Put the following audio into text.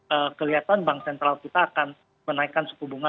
dia akan kelihatan bank sentral kita akan menaikkan suku bunga dua puluh lima